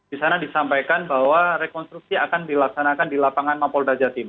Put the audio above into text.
di sana disampaikan bahwa rekonstruksi akan dilaksanakan di lapangan mapolda jatim